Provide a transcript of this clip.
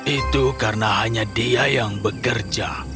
itu karena hanya dia yang bekerja